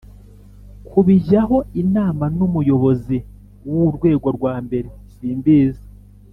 kubijyaho inama n Umuyobozi w Urwego rwambere simbizi